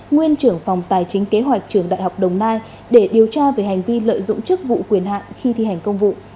nguyên trưởng phòng tài chính kế hoạch trường đại học đồng nai để điều tra về hành vi lợi dụng chức vụ quyền hạn khi thi hành công vụ